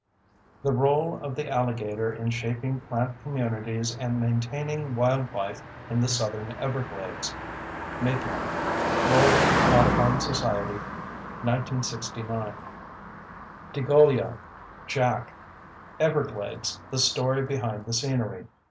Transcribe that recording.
The Role of the Alligator in Shaping Plant Communities and Maintaining Wildlife in the Southern Everglades. Maitland: Florida Audubon Society, 1969. de Golia, Jack. _Everglades: The Story Behind the Scenery.